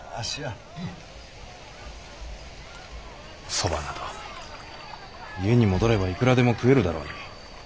そばなど家に戻ればいくらでも食えるだろうに。